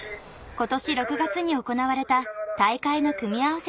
今年６月に行われた大会の組み合わせ